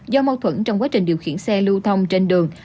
do mâu thuẫn trong quá trình điều khiển xe lưu thông trên đường